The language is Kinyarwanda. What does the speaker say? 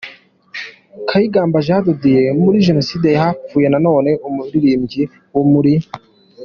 Kayigamba Jean de Dieu, muri Jenoside hapfuye na none umuririmbyi wo muri.